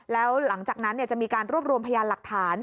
แล้วหลังจากนั้นจะมีการรวบรวมพยานหลักฐาน